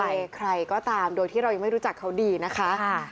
ใครใครก็ตามโดยที่เรายังไม่รู้จักเขาดีนะคะ